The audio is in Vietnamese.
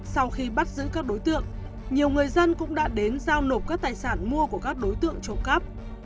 sau khi bắt giữ các đối tượng nhiều người dân cũng đã đến giao nộp các tài sản mua của các đối tượng trộm cắp